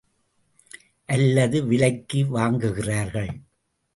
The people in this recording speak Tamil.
அல்லது விலைக்கு வாங்குகிறார்கள்.